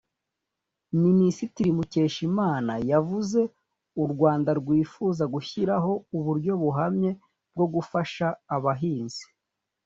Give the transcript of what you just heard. Minisitiri Mukeshimana yavuze u Rwanda rwifuza gushyiraho uburyo buhamye bwo gufasha abahinzi